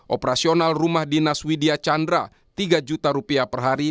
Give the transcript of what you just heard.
operasional rumah dinas widya chandra tiga juta rupiah per hari